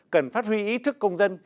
cần phát huy ý thức công dân